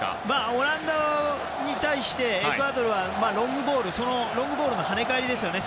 オランダに対してエクアドルはロングボールの跳ね返りですよね。